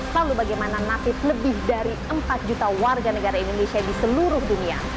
lalu bagaimana nasib lebih dari empat juta warga negara indonesia di seluruh dunia